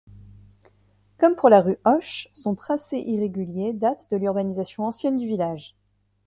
Comme pour la rue Hoche, son tracé irrégulier date de l'urbanisation ancienne du village.